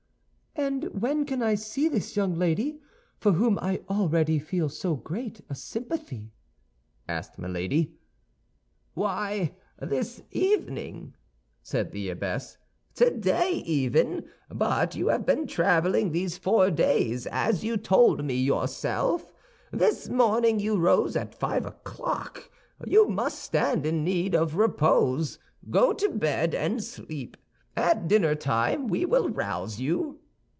"And when can I see this young lady, for whom I already feel so great a sympathy?" asked Milady. "Why, this evening," said the abbess; "today even. But you have been traveling these four days, as you told me yourself. This morning you rose at five o'clock; you must stand in need of repose. Go to bed and sleep; at dinnertime we will rouse you."